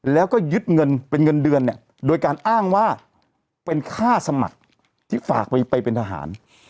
แล้วก็ยึดเงินเป็นเงินเดือนเนี่ยโดยการอ้างว่าเป็นค่าสมัครที่ฝากไปเป็นทหาร